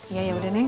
iya yaudah neng